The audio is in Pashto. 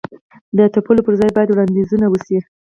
د تپلو پر ځای باید وړاندیز وشي.